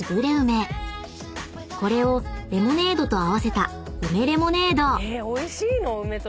［これをレモネードと合わせた梅レモネード］